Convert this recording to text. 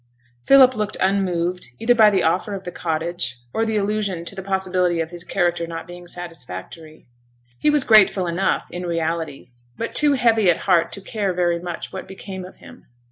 Philip looked unmoved, either by the offer of the cottage, or the illusion to the possibility of his character not being satisfactory. He was grateful enough in reality, but too heavy at heart to care very much what became of him.